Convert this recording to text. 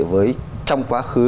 với trong quá khứ